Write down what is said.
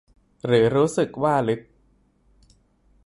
หรือรู้สึกว่าลึก